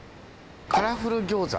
カラフル餃子。